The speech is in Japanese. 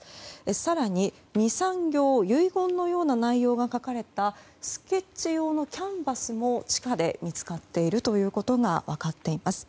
更に、２３行遺言のような内容が書かれたスケッチ用のキャンバスも地下で見つかっているということが分かっています。